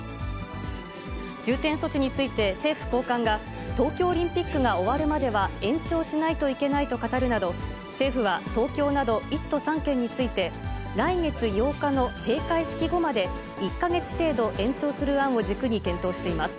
重点措置について政府高官が、東京オリンピックが終わるまでは延長しないといけないと語るなど、政府は東京など１都３県について、来月８日の閉会式後まで１か月程度延長する案を軸に検討しています。